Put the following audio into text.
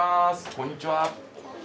こんにちは！